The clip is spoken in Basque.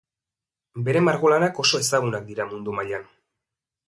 Bere margolanak oso ezagunak dira mundu mailan.